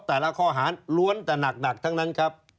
แต่ละข้อหาล้วนแต่หนักทั้งนั้นครับ